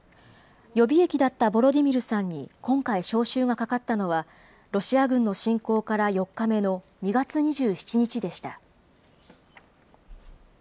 予備役だったボロディミルさんに今回、招集がかかったのは、ロシア軍の侵攻から４日目の２月２７日でした。